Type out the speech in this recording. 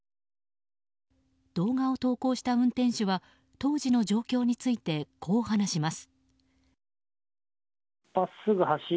動画を投稿した運転手は当時の状況についてこう話します。